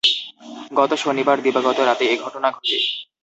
গত শনিবার দিবাগত রাতে এ ঘটনা ঘটে।